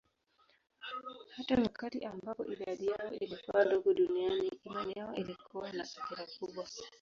Hata wakati ambapo idadi yao ilikuwa ndogo duniani, imani yao ilikuwa na athira kubwa.